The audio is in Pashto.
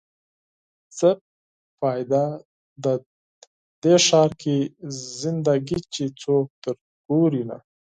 څه فایده؟ دې ښار کې زنده ګي چې څوک در ګوري نه